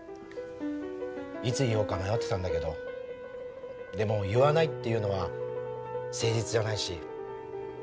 いつ言おうか迷ってたんだけどでも言わないっていうのは誠実じゃないし。